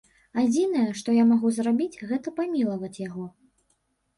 Адзінае, што я магу зрабіць, гэта памілаваць яго.